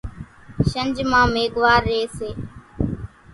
شنجھ مان ميگھوار ريئيَ سي۔